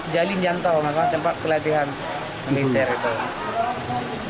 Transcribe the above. jaringan teroris merupakan tempat pelatihan